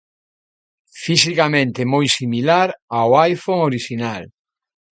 Fisicamente moi similar ao iPhone orixinal.